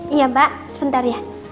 iya mbak sebentar ya